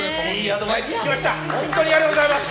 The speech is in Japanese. ありがとうございます！